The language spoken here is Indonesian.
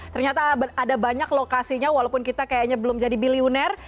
ternyata ada banyak lokasinya walaupun kita kayaknya belum jadi bilioner